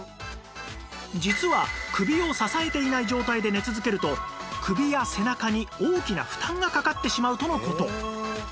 実は首を支えていない状態で寝続けると首や背中に大きな負担がかかってしまうとの事